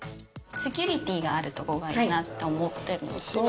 セキュリティーがある所がいいなと思ってるのと。